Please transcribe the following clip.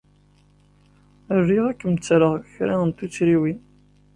Riɣ ad kem-ttreɣ kra n tuttriwin.